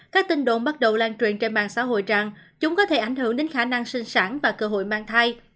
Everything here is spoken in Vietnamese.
các tin đồn bắt đầu lan truyền trên mạng xã hội rằng chúng có thể ảnh hưởng đến khả năng sinh sản và cơ hội mang thai